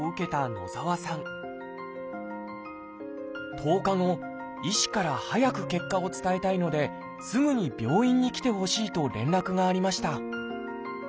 １０日後医師から早く結果を伝えたいのですぐに病院に来てほしいと連絡がありました